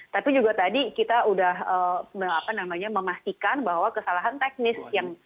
tapi juga tadi kita sudah memastikan bahwa kesalahan teknis